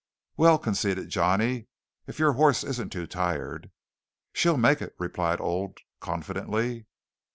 "Well," conceded Johnny, "if your horse isn't too tired." "She'll make it," replied Old confidently.